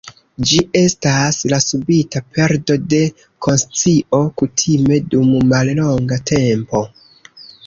Ĝi estas la subita perdo de konscio, kutime dum mallonga tempo.